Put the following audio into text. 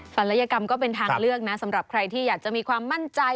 ลัยกรรมก็เป็นทางเลือกนะสำหรับใครที่อยากจะมีความมั่นใจ